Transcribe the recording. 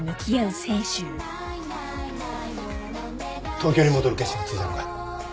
東京に戻る決心はついたのか？